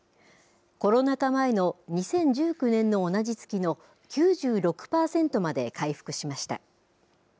コロナ禍前の２０１９年の同じ月の９６％まで回復しました。